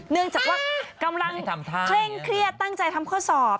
เนื่องจากว่ากำลังเคร่งเครียดตั้งใจทำข้อสอบ